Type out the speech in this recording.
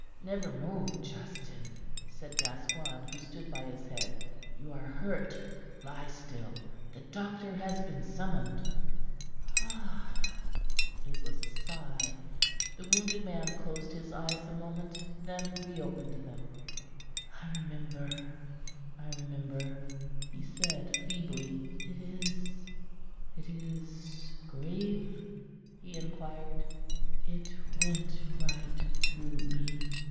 "Never move, Justin," said Gascoigne, who stood by his head. "You are hurt. Lie still. The doctor has been summoned." "Ah!" It was a sigh. The wounded man closed his eyes a moment, then re opened them. "I remember. I remember," he said feebly. "It is it is grave?" he inquired. "It went right through me.